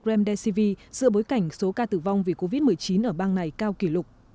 remdesivir dựa bối cảnh số ca tử vong vì covid một mươi chín ở bang này cao kỷ lục